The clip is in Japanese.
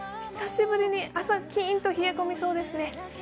久しぶりに朝、キーンと冷え込みそうですね。